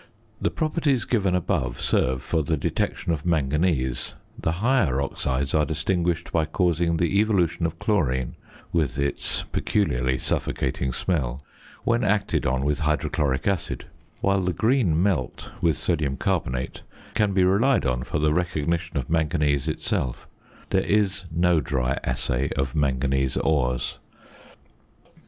The properties given above serve for the detection of manganese; the higher oxides are distinguished by causing the evolution of chlorine (with its peculiarly suffocating smell) when acted on with hydrochloric acid; while the green "melt," with sodium carbonate, can be relied on for the recognition of manganese itself. There is no dry assay of manganese ores.